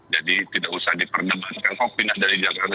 jadi tidak usah diperdebatkan kok pindah dari jakarta